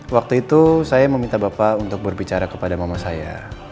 waktu itu saya meminta bapak untuk berbicara kepada mama saya